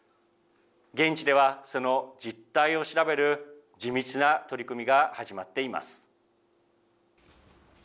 現地ではその実態を調べる地道な取り組みが始まっています。